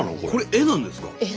絵なんです。